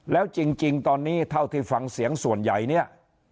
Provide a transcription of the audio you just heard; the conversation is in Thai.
แล้วจริงตอนนี้เท่าที่ฟังเสียงส่วนใหญ่เนี่ย